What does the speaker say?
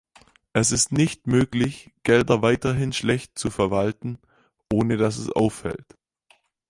Es ist nicht möglich, Gelder weiterhin schlecht zu verwalten, ohne dass es auffällt.